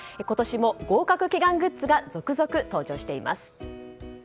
今年も合格祈願グッズが続々登場しています。